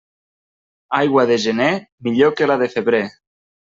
Aigua de gener, millor que la de febrer.